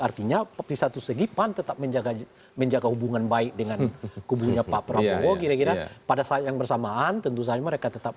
artinya di satu segi pan tetap menjaga hubungan baik dengan kubunya pak prabowo kira kira pada saat yang bersamaan tentu saja mereka tetap